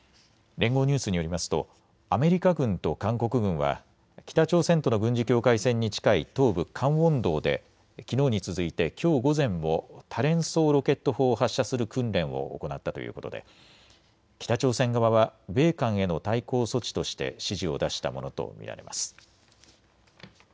連合ニュースによりますとアメリカ軍と韓国軍は北朝鮮との軍事境界線に近い東部カンウォン道できのうに続いてきょう午前も多連装ロケット砲を発射する訓練を行ったということで北朝鮮側は米韓への対抗措置として指示を出したものと見られます。